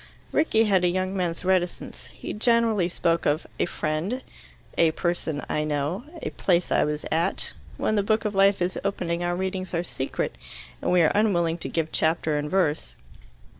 Rickie had a young man's reticence. He generally spoke of "a friend," "a person I know," "a place I was at." When the book of life is opening, our readings are secret, and we are unwilling to give chapter and verse.